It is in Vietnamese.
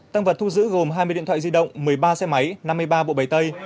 tăng vật thu giữ gồm hai mươi điện thoại di động một mươi ba xe máy năm mươi ba bộ bày tay